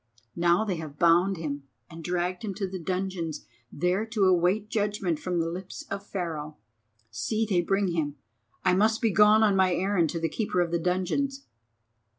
Now they have bound him and drag him to the dungeons, there to await judgment from the lips of Pharaoh. See, they bring him. I must begone on my errand to the keeper of the dungeons."